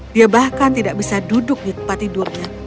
dia bahkan tidak bisa duduk di tempat tidurnya